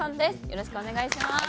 よろしくお願いします。